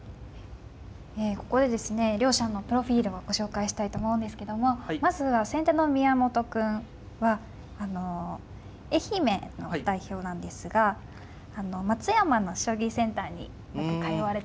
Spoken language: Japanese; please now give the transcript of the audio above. ここでですね両者のプロフィールをご紹介したいと思うんですけどもまずは先手の宮本くんは愛媛の代表なんですが松山の将棋センターによく通われているということで。